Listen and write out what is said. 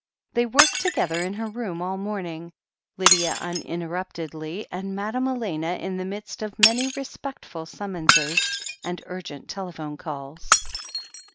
They worked together in her room all the morning, Lydia uninterruptedly, and Madame Elena in the midst of many respectful sum monses and urgent telephone calls.